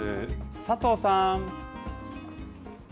佐藤さん。